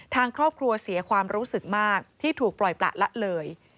ทางครอบครัวเสียความรู้สึกมากที่ถูกปล่อยประละเลย